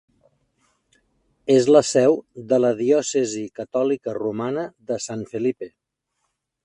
És la seu de la diòcesi catòlica romana de San Felipe.